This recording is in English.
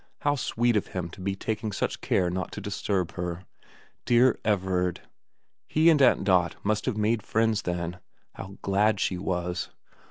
How sweet of him to be taking such care not to disturb her ... dear Everard ... he and Aunt Dot must have made friends then ... how glad she was